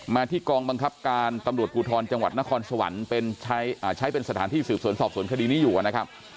มาที่กองบังคับการตำรวจภูทรจังหวัดนครสวรรค์ใช้เป็นสถานที่สืบสวนสอบสวนคดีนี้อยู่นะครับ